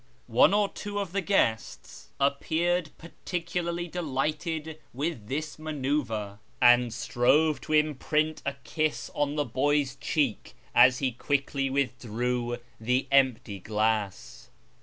One or two of the guests appeared particularly delii, dited with this manceuvre, and strove to imprint a kiss on the boy's cheek as he quickly withdrew the empty glass.